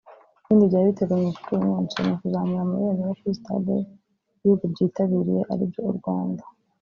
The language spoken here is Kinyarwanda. Ibindi byari biteganyijwe kuri uyu munsi ni ukuzamura amabendera kuri Stade y’ibihugu byitabiriye ari byo u Rwanda